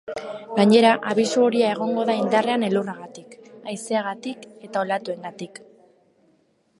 Gainera, abisu horia egongo da indarrean elurragatik, haizeagatik eta olatuengatik.